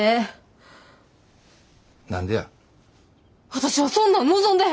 私はそんなん望んでへん！